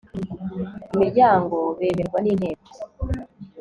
imiryango bemerwa n Inteko